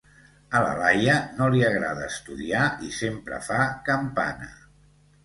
A la Laia no li agrada estudiar i sempre fa campana: